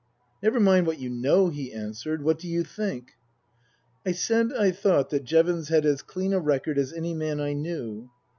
" Never mind what you know," he answered. " What do you think ?" I said I thought that Jevons had as clean a record as any man I knew.